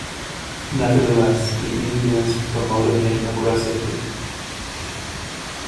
Nevertheless, the Indians promoted him aggressively.